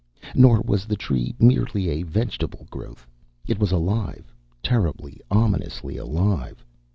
Nor was the Tree merely a vegetable growth. It was alive, terribly, ominously alive.